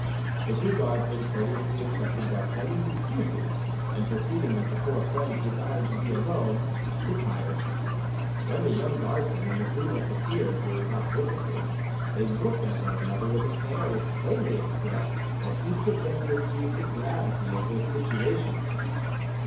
The two Guardsmen courteously accepted D'Artagnan's excuses, and perceiving that the four friends desired to be alone, retired. When the young Guardsman and the three Musketeers were without witnesses, they looked at one another with an air which plainly expressed that each of them perceived the gravity of their situation.